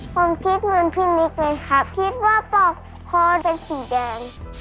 ผมคิดเหมือนพี่มิ๊กเลยครับคิดว่าปลอกคอเป็นสีแดง